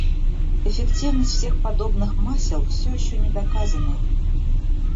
Эффективность всех подобных масел всё ещё не доказана.